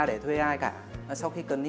để thuê ai cả